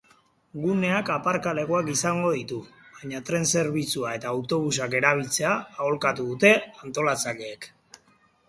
Guneak aparkalekuak izango ditu, baina tren-zerbitzua eta autobusak erabiltzea aholkatu dute antolatzaileek.